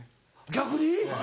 逆に？